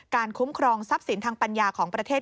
คุ้มครองทรัพย์สินทางปัญญาของประเทศ